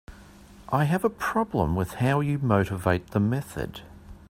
I have a problem with how you motivate the method.